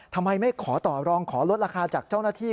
ทำไมไม่ขอต่อรองขอลดราคาจากเจ้าหน้าที่